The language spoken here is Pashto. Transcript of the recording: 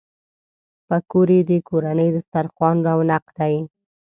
پکورې د کورني دسترخوان رونق دي